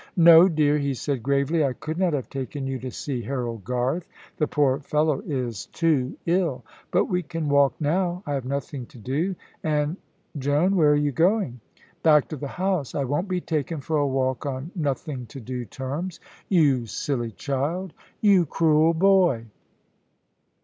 "No, dear," he said, gravely: "I could not have taken you to see Harold Garth. The poor fellow is too ill. But we can walk now. I have nothing to do, and Joan, where are you going?" "Back to the house. I won't be taken for a walk on nothing to do terms." "You silly child!" "You cruel boy!"